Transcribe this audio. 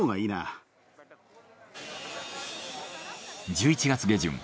１１月下旬。